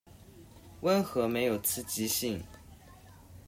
溫和沒有刺激性